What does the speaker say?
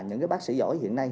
những cái bác sĩ giỏi hiện nay